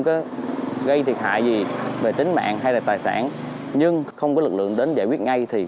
có gây thiệt hại gì về tính mạng hay là tài sản nhưng không có lực lượng đến giải quyết ngay thì